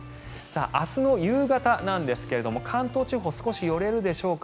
明日の夕方なんですが関東地方少し寄れるでしょうか。